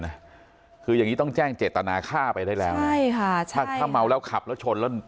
นะคืออย่างงี้ต้องแจ้งเจตนาฆ่าไปได้แล้วใช่ค่ะใช่ถ้าถ้าเมาแล้วขับแล้วชนแล้ว